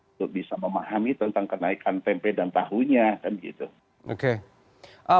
untuk bisa memahami tentang kenaikan tempe dan tahunya